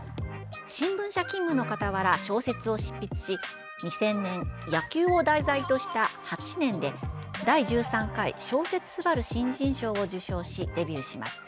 新聞社勤務のかたわら小説を執筆し２０００年、野球を題材とした「８年」で第１３回小説すばる新人賞を受賞し、デビューします。